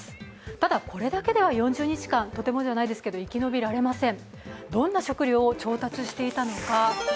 ただこれだけでは４０日間、とてもじゃないけど生き延びられません。